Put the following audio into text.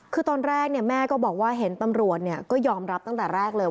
คือตอนแรกแม่ก็บอกว่าเห็นตำรวจก็ยอมรับตั้งแต่แรกเลย